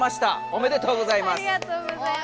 ありがとうございます。